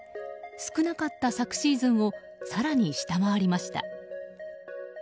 少なかった昨シーズンを更に下回りました。